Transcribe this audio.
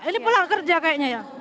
ini pulang kerja kayaknya ya